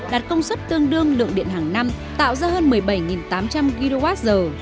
đạt công suất tương đương lượng điện hàng năm tạo ra hơn một mươi bảy tám trăm linh kwh